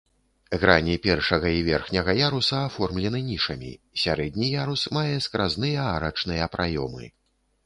Грані першага і верхняга яруса аформлены нішамі, сярэдні ярус мае скразныя арачныя праёмы.